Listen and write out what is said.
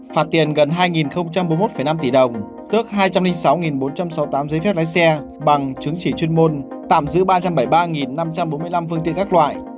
phạt tiền gần hai bốn mươi một năm tỷ đồng tước hai trăm linh sáu bốn trăm sáu mươi tám giấy phép lái xe bằng chứng chỉ chuyên môn tạm giữ ba trăm bảy mươi ba năm trăm bốn mươi năm phương tiện các loại